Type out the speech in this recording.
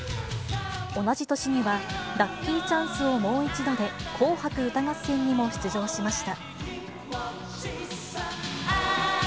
同じ年には、ＬｕｃｋｙＣｈａｎｃｅをもう一度で、紅白歌合戦にも出場しました。